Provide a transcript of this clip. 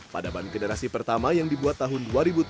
pada ban generasi pertama yang dibuat tahun dua ribu tujuh belas